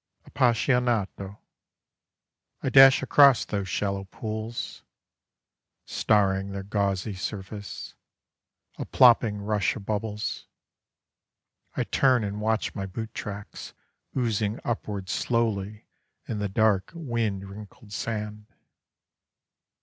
Appassionato. I dash across those shallow pools: Starring their gauzy surface: A plopping rush of bubbles: I turn and watch my boot tracks Oozing upwards slowly in the dark wind wrinkled sand.